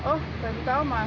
oh baru tahu mbak